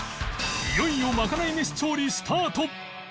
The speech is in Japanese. いよいよまかない飯調理スタート